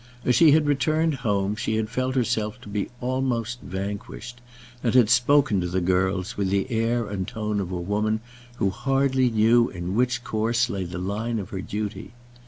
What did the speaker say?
As she had returned home she had felt herself to be almost vanquished, and had spoken to the girls with the air and tone of a woman who hardly knew in which course lay the line of her duty.